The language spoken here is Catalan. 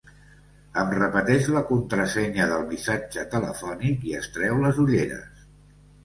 Em repeteix la contrasenya del missatge telefònic i es treu les ulleres.